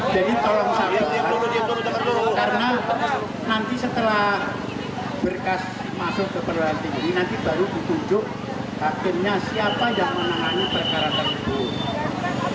jadi tolong sabar karena nanti setelah berkas masuk ke penerbangan tinggi nanti baru ditunjuk akhirnya siapa yang menangani perkara tersebut